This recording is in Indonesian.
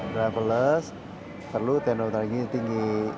driverless terlalu teknologi tinggi